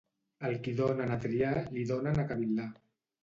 Al qui donen a triar, li donen a cavil·lar.